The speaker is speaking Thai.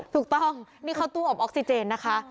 ถูกต้องนี่เข้าตู้อบออกซิเจนนะคะ